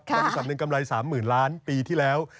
บริษัทหนึ่งกำไร๓๐๐๐ล้านปีที่แล้ว